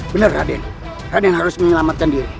benar raden raden harus menyelamatkan diri